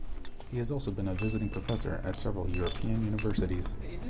He has also been a visiting professor at several European universities.